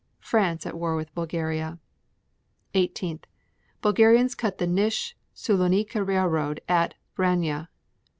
France at war with Bulgaria. 18. Bulgarians cut the Nish Sulonika railroad at Vranja.